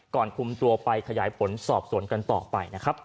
คุมตัวไปขยายผลสอบสวนกันต่อไปนะครับ